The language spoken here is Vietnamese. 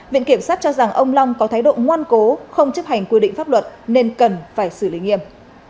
viện kiểm sát cho rằng ông long có thái độ ngoan cố không chấp hành quy định pháp luật nên cần phải xử lý nghiêm